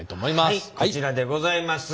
はいこちらでございます。